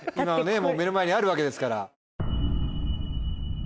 もう目の前にあるわけですから。